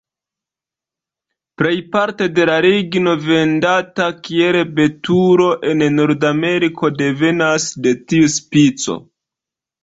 Plejparte de la ligno vendata kiel betulo en Nordameriko devenas de tiu specio.